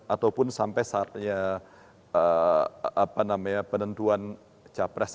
ataupun sampai saatnya penentuan capres